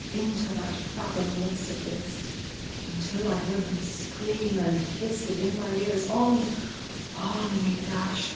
Into that fathomless abyss. Until I heard them scream and hiss Within my ears, on, on we dashed.